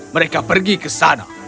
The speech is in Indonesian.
mereka pergi ke sana